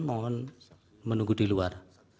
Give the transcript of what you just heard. mohon menunggu di luar